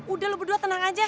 udah lu berdua tenang aja deh